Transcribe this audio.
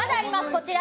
こちら。